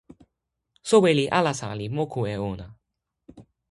soweli alasa li moku e ona.